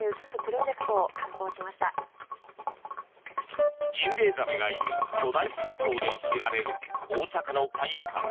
ジンベエザメがいる巨大水槽で知られる大阪の海遊館が